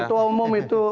ketua umum itu